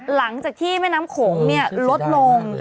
หลังจากที่แม่น้ำโขงลดลง